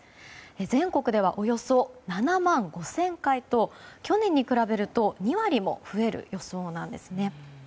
全国ではおよそ７万５０００回と去年に比べると２割も増える予想なんですね。